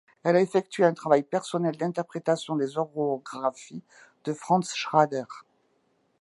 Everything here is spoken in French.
Elle a effectué un travail personnel d'interprétation des orographies de Franz Schrader.